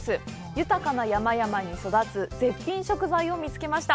豊かな山々に育つ絶品食材を見つけました。